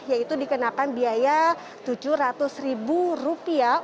yaitu dikenakan biaya tujuh ratus ribu rupiah